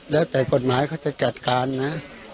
แล้วแต่กฎหมายเขาจะจัดการนะ